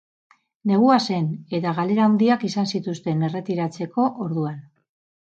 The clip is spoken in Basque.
Negua zen eta galera handiak izan zituzten erretiratzeko orduan.